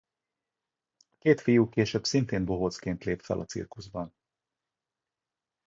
A két fiú később szintén bohócként lép fel a cirkuszban.